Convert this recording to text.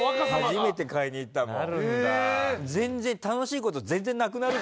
初めて買いに行ったもん。